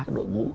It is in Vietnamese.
các đội ngũ